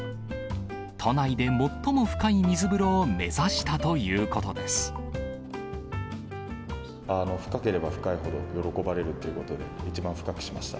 都内で最も深い水風呂を目指した深ければ深いほど、喜ばれるということで、一番深くしました。